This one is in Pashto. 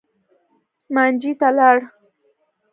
مانجې ته لاړ.